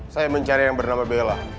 saya mencari yang bernama bella